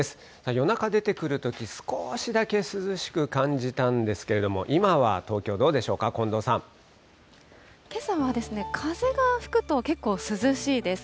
夜中、出てくるとき、少しだけ涼しく感じたんですけれども、今は東京、どうでしょうか、近藤さん。けさは風が吹くと、結構涼しいです。